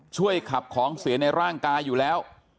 ช่วยขับของเสียในร่างกายอยู่แล้ว